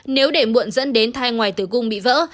nếu để muộn dẫn đến thai ngoài tử cung bị vỡ